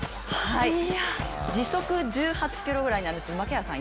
時速１８キロぐらいになるんですけど、槙原さん